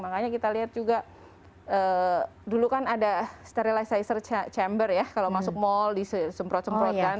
makanya kita lihat juga dulu kan ada sterilisizer chamber ya kalau masuk mall disemprot semprot kan